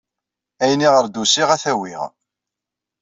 Ayen iɣer d-usiɣ, ad t-awiɣ.